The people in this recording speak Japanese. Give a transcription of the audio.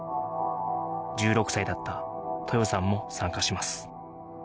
１６歳だった豊さんも参加します